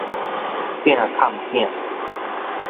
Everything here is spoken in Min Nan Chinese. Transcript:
鼎崁鼎